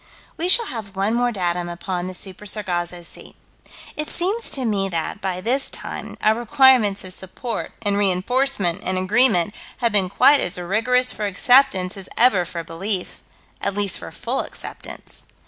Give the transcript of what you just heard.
We shall have one more datum upon the Super Sargasso Sea. It seems to me that, by this time, our requirements of support and reinforcement and agreement have been quite as rigorous for acceptance as ever for belief: at least for full acceptance.